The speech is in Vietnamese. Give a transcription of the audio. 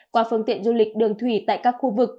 qua phương tiện du lịch đường thủy tại các khu vực